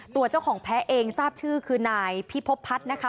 ตัวเจ้าของแพ้เองทราบชื่อคือนายพิพพัฒน์นะคะ